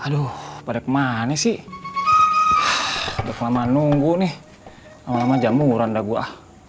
aduh pada kemana sih udah lama nunggu nih lama lama jamur anda gua